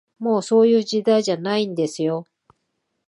もう、そういう時代じゃないんですよ